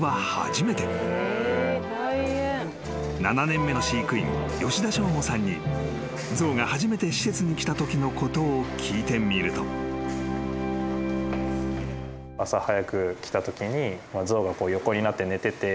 ［７年目の飼育員吉田翔悟さんに象が初めて施設に来たときのことを聞いてみると］でも。